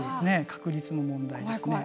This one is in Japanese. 確率の問題ですね。